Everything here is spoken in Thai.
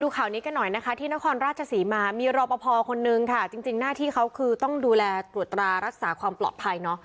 ข่าวนี้กันหน่อยนะคะที่นครราชศรีมามีรอปภคนนึงค่ะจริงหน้าที่เขาคือต้องดูแลตรวจตรารักษาความปลอดภัยเนอะ